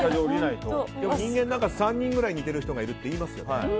人間３人ぐらい似ている人がいるって言いますよね。